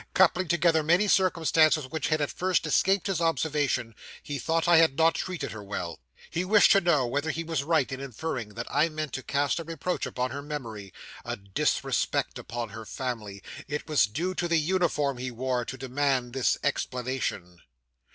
Coupling together many circumstances which had at first escaped his observation, he thought I had not treated her well. He wished to know whether he was right in inferring that I meant to cast a reproach upon her memory, and a disrespect upon her family. It was due to the uniform he wore, to demand this explanation.